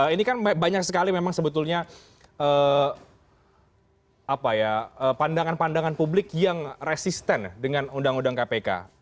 ini kan banyak sekali memang sebetulnya pandangan pandangan publik yang resisten dengan undang undang kpk